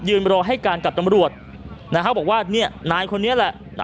ยืนไปรอให้การกับตำรวจนะฮะบอกว่าเนี้ยนายคนนี้แหละ